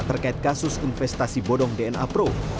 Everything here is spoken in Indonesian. terkait kasus investasi bodong dna pro